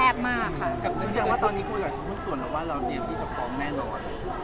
คุณคิดว่าตอนนี้คุณส่วนหรือว่าเราเดี๋ยวที่จะป้องแน่นอน